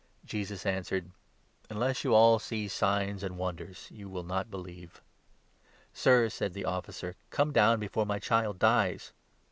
Jesus answered : 48 " Unless you all see signs and wonders, you will not believe." " Sir," said the officer, "come down before my child dies."